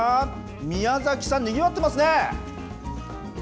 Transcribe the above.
宮崎さん、にぎわってますね。